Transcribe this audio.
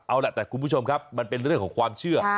เอาล่ะแต่คุณผู้ชมครับมันเป็นเรื่องของความเชื่อ